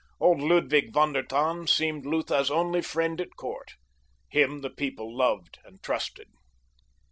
Old Ludwig von der Tann seemed Lutha's only friend at court. Him the people loved and trusted.